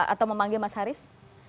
atau memanggil mas haris